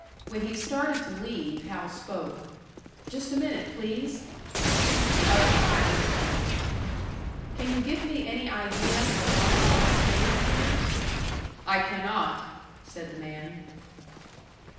When he started to leave, Hal spoke: "Just a minute, please." The other frowned at him. "Can you give me any idea how long I am to stay in here?" "I cannot," said the man.